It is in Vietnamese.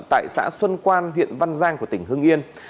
tại xã xuân quan huyện văn giang của tỉnh hưng yên